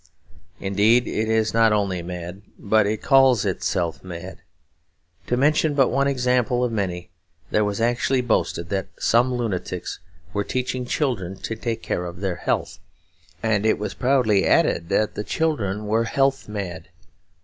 Indeed it is not only mad, but it calls itself mad. To mention but one example out of many, it was actually boasted that some lunatics were teaching children to take care of their health. And it was proudly added that the children were 'health mad.'